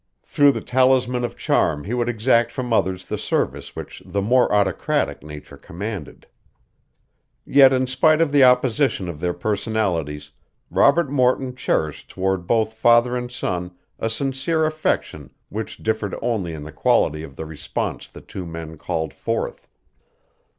Through the talisman of charm he would exact from others the service which the more autocratic nature commanded. Yet in spite of the opposition of their personalities, Robert Morton cherished toward both father and son a sincere affection which differed only in the quality of the response the two men called forth.